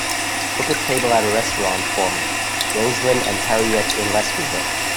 book a table at a restaurant for me, roslyn and harriett in Lesterville